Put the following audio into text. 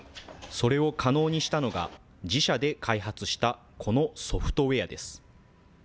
それを可能にしたのが、自社で開発したこのソフトウエアです。